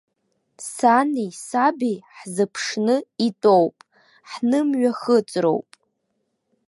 Сани саби ҳзыԥшны итәоуп, ҳнымҩахыҵроуп.